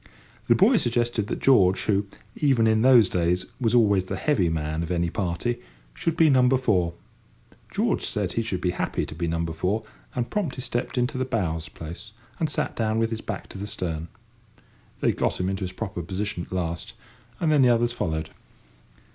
The boy suggested that George, who, even in those days, was always the heavy man of any party, should be number four. George said he should be happy to be number four, and promptly stepped into bow's place, and sat down with his back to the stern. They got him into his proper position at last, and then the others followed.